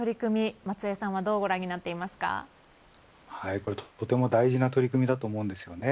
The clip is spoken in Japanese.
松江さんはこれはとても大事な取り組みだと思うんですよね。